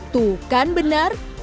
tuh kan benar